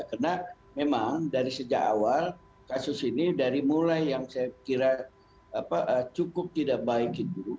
karena memang dari sejak awal kasus ini dari mulai yang saya kira cukup tidak baik itu